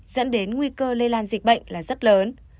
dẫn đến nguy cơ lây lan dịch bệnh là rất lớn